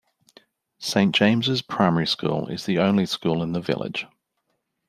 Saint James' Primary School is the only school in the village.